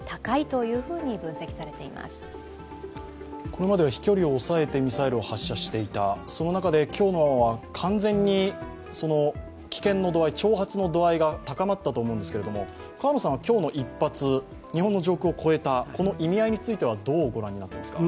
これまでは飛距離を抑えてミサイルを発射していた、その中で今日のは完全に危険の度合い、挑発の度合いが高まったと思うんですけれども、今日の一発、日本の上空を越えた、この意味合いについてはどうご覧になっていますか。